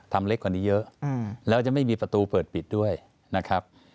เล็กกว่านี้เยอะแล้วจะไม่มีประตูเปิดปิดด้วยนะครับ